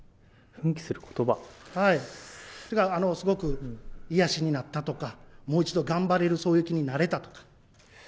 というか、すごく癒やしになったとか、もう一度頑張れる、そういう気になれたとか。